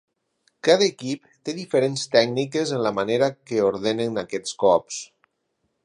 Cada equip té diferents tècniques en la manera que ordenen aquests cops.